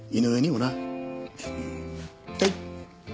はい。